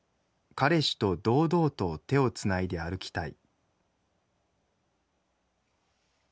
彼氏と街中でも堂々と手を繋いで歩きたい。